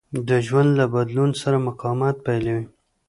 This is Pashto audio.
د ژوند له بدلون سره مقاومت پيلوي.